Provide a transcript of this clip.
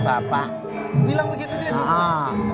bilang begitu dia sih